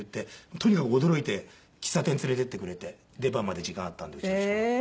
とにかく驚いて喫茶店に連れて行ってくれて出番まで時間あったんでうちの師匠。